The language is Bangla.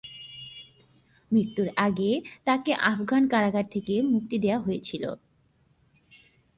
মৃত্যুর আগে তাকে আফগান কারাগার থেকে মুক্তি দেওয়া হয়েছিল।